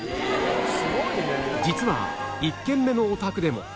実は１軒目のお宅でも